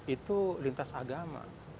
itu lintas agama